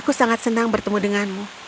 aku sangat senang bertemu denganmu